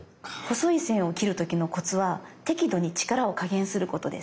細い線を切る時のコツは適度に力を加減することです。